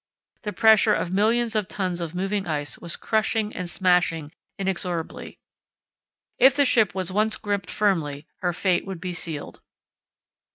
The pressure of millions of tons of moving ice was crushing and smashing inexorably. If the ship was once gripped firmly her fate would be sealed.